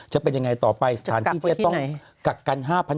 จะเป็นยังไงต่อไปสถานที่ที่จะต้องกักกัน๕๐๐